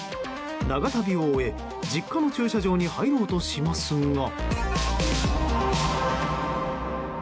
長旅を終え、実家の駐車場に入ろうとしますが。